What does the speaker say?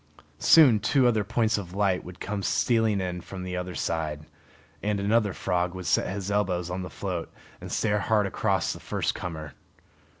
Soon two other points of light would come stealing in from the other side, and another frog would set his elbows on the float and stare hard across at the first comer.